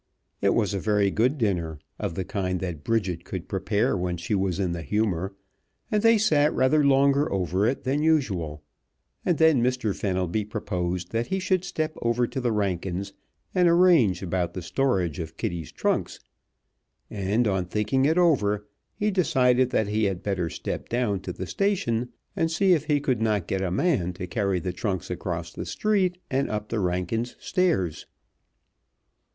It was a very good dinner, of the kind that Bridget could prepare when she was in the humor, and they sat rather longer over it than usual, and then Mr. Fenelby proposed that he should step over to the Rankins' and arrange about the storage of Kitty's trunks, and on thinking it over he decided that he had better step down to the station and see if he could not get a man to carry the trunks across the street and up the Rankins' stairs.